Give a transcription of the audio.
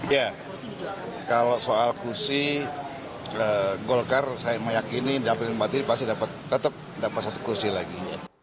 ya kalau soal kursi golkar saya meyakini dapat diri pasti tetap dapat satu kursi lagi